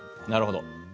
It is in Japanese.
なるほど。